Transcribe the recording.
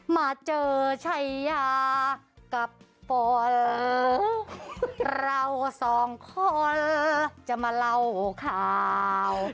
มาเจอชัยยากับฝนเราสองคนจะมาเล่าข่าว